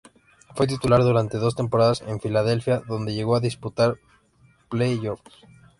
Fue titular durante dos temporadas en Philadelphia, donde llegó a disputar Playoffs.